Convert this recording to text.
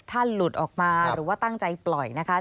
หลุดออกมาหรือว่าตั้งใจปล่อยนะคะ